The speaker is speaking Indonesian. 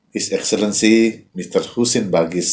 pertama tama mr hussein bagis